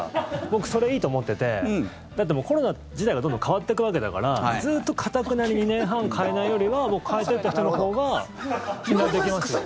僕、それいいと思っていてだって、コロナ自体がどんどん変わっていくわけだからずっと頑なに２年半変えないよりは僕は変えていった人のほうが信頼できますよ。